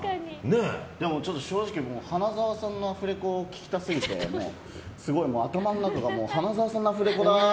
でも、正直花澤さんのアフレコを聞きたすぎて、すごい頭の中が花澤さんのアフレコだー！